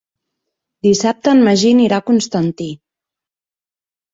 Dissabte en Magí anirà a Constantí.